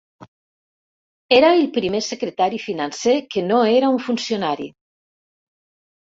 Era el primer secretari financer que no era un funcionari.